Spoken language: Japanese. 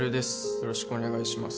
よろしくお願いします